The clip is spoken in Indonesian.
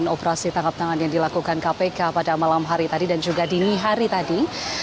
operasi tangkap tangan yang dilakukan kpk pada malam hari tadi dan juga dini hari tadi